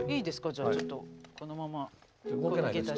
じゃあちょっとこのままこの下駄で。